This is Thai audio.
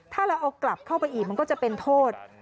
ถ้าเราเอากลับเข้าไปอีกมันก็จะเป็นโทษ